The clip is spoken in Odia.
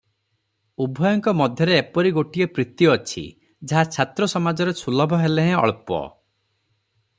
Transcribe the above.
ଉଭୟଙ୍କ ମଧ୍ୟରେ ଏପରି ଗୋଟିଏ ପ୍ରୀତି ଅଛି, ଯାହା ଛାତ୍ର ସମାଜରେ ସୁଲଭ ହେଲେହେଁ ଅଳ୍ପ ।